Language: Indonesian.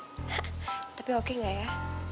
hah tapi oke gak ya